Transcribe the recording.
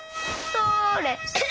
それ！